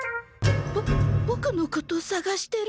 ボボクのことさがしてる！